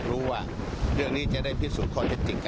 เรื่องนี้จะได้พิสูจน์ข้อเท็จจริงกัน